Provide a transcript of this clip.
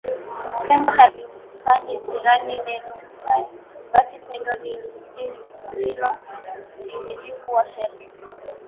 Pendo halimfanyii jirani neno baya basi pendo ndilo utimilifu wa sheria